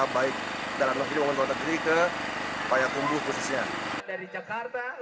baik dalam negeri pemerintah negeri ke payah kumbuh khususnya